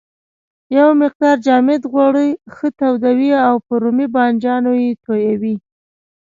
یو مقدار جامد غوړي ښه تودوي او پر رومي بانجانو یې تویوي.